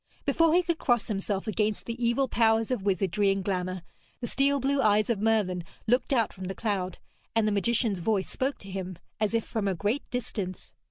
Before he could cross himself against the evil powers of wizardry and glamour, the steel blue eyes of Merlin looked out from the cloud, and the magician's voice spoke to him as if from a great distance.